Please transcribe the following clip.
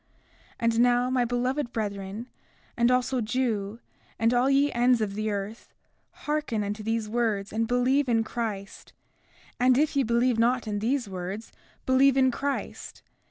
33:10 And now, my beloved brethren, and also Jew, and all ye ends of the earth, hearken unto these words and believe in Christ; and if ye believe not in these words believe in Christ.